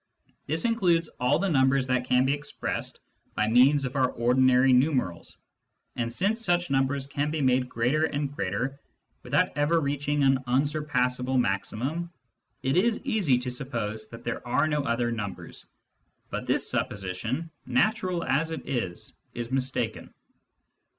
This includes all the numbers that can be expressed by means of our ordinary numerals, and since such numbers can be made greater and greater, without ever reaching an unsurpassable maximum, it is easy to suppose that there are no other numbers. But this supposition, natural as it is, is mistaken.